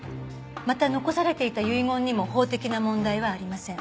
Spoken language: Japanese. また残されていた遺言にも法的な問題はありません。